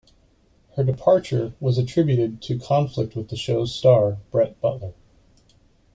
Her departure was attributed to conflict with the show's star, Brett Butler.